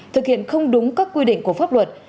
thực hiện không đúng các quy định của pháp luật